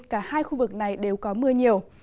cả hai khu vực này đều có mưa nhiều